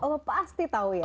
ya allah pasti tahu ya